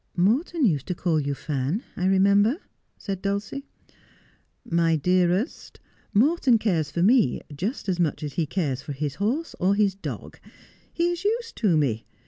' Morton used to call you Fan, I remember,' said Dulcie. 'My dearest, Morton cares for me just as much at he cares for his horse or his dog. He is used to me.